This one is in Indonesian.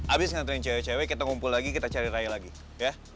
abis ngantriin cewek cewek kita ngumpul lagi kita cari raya lagi ya